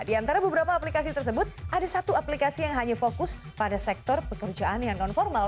di antara beberapa aplikasi tersebut ada satu aplikasi yang hanya fokus pada sektor pekerjaan yang non formal